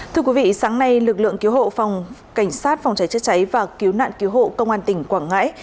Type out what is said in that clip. thưa quý vị sáng nay lực lượng cứu hộ phòng cảnh sát phòng cháy chữa cháy và cứu nạn cứu hộ công an tỉnh quảng ngãi